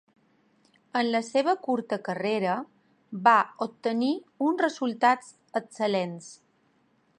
En la seva curta carrera, va obtenir uns resultats excel·lents.